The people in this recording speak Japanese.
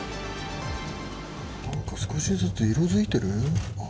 なんか少しずつ色づいてる？